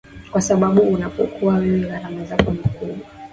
kwa sababu unapokuwa wewe gharama zako ni kubwa